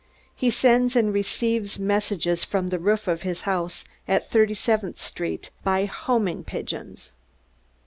"He sends and receives messages from the roof of his house in Thirty seventh Street by homing pigeons!"